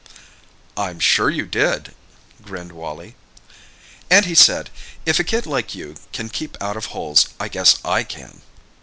'" "I'm sure you did!" grinned Wally. "And he said, 'If a kid like you can keep out of holes, I guess I can!